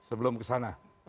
sebelum ke sana